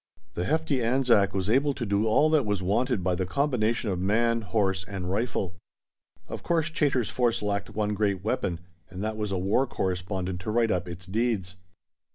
The hefty Anzac was able to do all that was wanted by the combination of man, horse, and rifle. Of course Chaytor's Force lacked one great weapon, and that was a war correspondent to write up its deeds!